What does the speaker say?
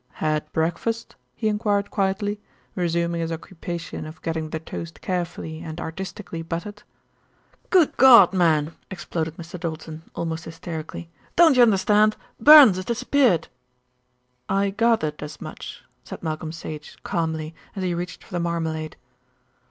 "Had breakfast?" he enquired quietly, resuming his occupation of getting the toast carefully and artistically buttered. "Good God, man!" exploded Mr. Doulton, almost hysterically. "Don't you understand? Burns has disappeared!" "I gathered as much," said Malcolm Sage calmly, as he reached for the marmalade.